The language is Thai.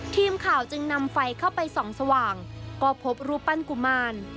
ทีมข่าวจึงนำไฟเข้าไปส่องสว่างก็พบรูปปั้นกุมาร